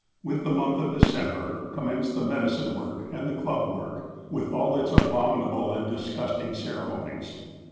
With the month of December commenced the medicine work and the club work, with all its abominable and disgusting ceremonies.